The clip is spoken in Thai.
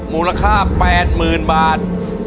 มูลค่า๘๐๐๐บาท